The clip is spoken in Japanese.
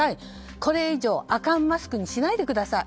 これ以上、アカンマスクにしないで下さいと。